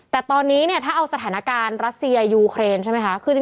แต่ตอนนี้เนี่ยถ้าเอาสถานการณ์รัสเซียยูเครนใช่ไหมคะ